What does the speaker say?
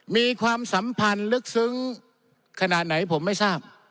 มีความสัมพันธ์ลึกซึ้งขนาดไหนผมไม่ทราบ